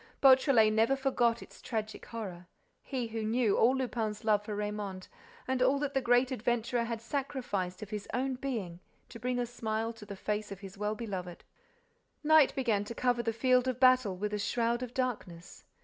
Beautrelet never forgot its tragic horror, he who knew all Lupin's love for Raymonde and all that the great adventurer had sacrificed of his own being to bring a smile to the face of his well beloved. Night began to cover the field of battle with a shroud of darkness.